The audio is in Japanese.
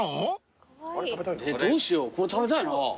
どうしようこれ食べたいな。